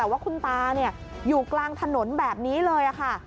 ว่าคุณตาอยู่กลางถนนแบบนี้เลยค่ะ